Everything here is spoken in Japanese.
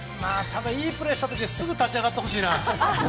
ただいいプレーしたときはすぐ立ち上がってほしいな。